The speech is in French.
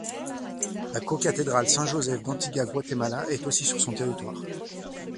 La cocathédrale Saint-Joseph d'Antigua Guatemala est aussi sur son territoire.